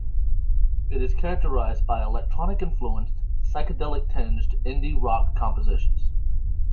It is characterized by electronic-influenced, psychedelic-tinged indie rock compositions.